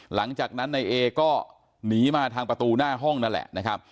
หลังจากนั้นนายเอก็หนีมาทางประตูหน้าห้องนั่นแหละนะครับ